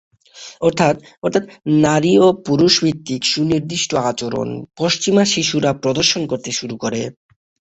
অর্থাৎ, অর্থাৎ নারী ও পুরুষ ভিত্তিক সুনির্দিষ্ট আচরণ পশ্চিমা শিশুরা প্রদর্শন করতে শুরু করে।